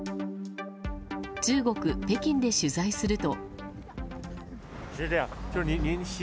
中国・北京で取材すると。